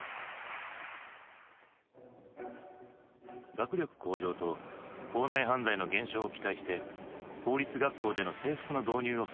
学力向上と校内犯罪の減少を期待して公立学校での制服の導入を推奨したのだ。